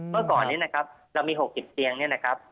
เมื่อก่อนนี้นะครับเรามี๖๐เตียงเนี่ยนะครับ